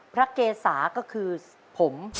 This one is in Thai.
เกษาก็คือผม